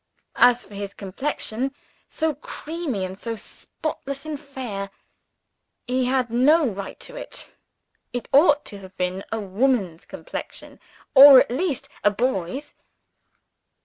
As for his complexion so creamy and spotless and fair he had no right to it: it ought to have been a woman's complexion, or at least a boy's.